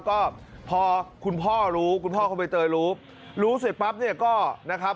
ก็พอคุณพ่อรู้คุณพ่อของใบเตยรู้รู้เสร็จปั๊บเนี่ยก็นะครับ